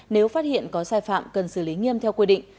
nếu phát hiện có sai phạm cần xử lý nghiêm theo quy định